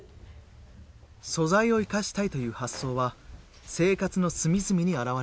素材を生かしたいという発想は生活の隅々に表れています。